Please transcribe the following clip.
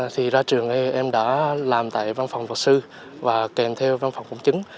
thì ra trường em đã làm tại văn phòng luật sư và kèm theo văn phòng công chứng